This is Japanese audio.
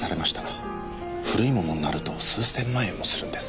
古いものになると数千万円もするんです。